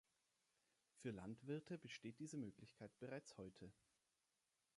Für Landwirte besteht diese Möglichkeit bereits heute.